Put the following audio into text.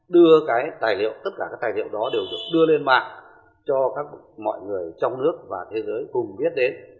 đưa cái tài liệu tất cả các tài liệu đó đều được đưa lên mạng cho các mọi người trong nước và thế giới cùng biết đến